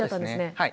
はい。